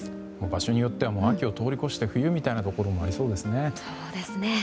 場所によっては秋を通り越して冬みたいなところもありそうですね。